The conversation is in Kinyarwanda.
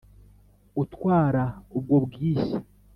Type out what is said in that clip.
Utwara ubwo Bwishya